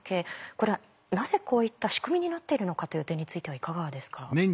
これはなぜこういった仕組みになっているのかという点についてはいかがですか？